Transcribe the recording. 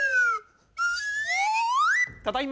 ただいま。